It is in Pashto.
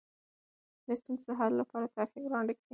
د ستونزو د حل لپاره طرحې وړاندې کړئ.